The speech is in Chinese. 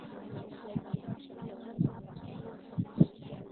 涓流就是以低速率且恒定方式对电池提供很小的充电电流。